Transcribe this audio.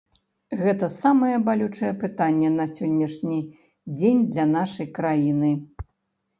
Гэта самае балючае пытанне на сённяшні дзень для нашай краіны.